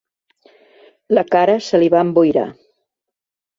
La cara se li va emboirar.